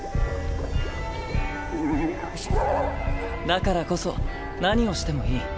だからこそ何をしてもいい。